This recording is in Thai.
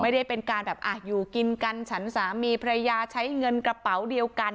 ไม่ได้เป็นการแบบอยู่กินกันฉันสามีพระยาใช้เงินกระเป๋าเดียวกัน